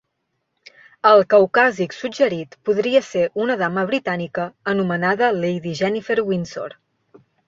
El caucàsic suggerit podria ser una dama britànica anomenada Lady Jennifer Windsor.